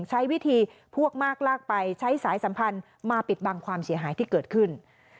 ใช้วิธีพวกมากลากไปใช้สายสัมพันธ์มาปิดบังความเสียหายที่เกิดขึ้น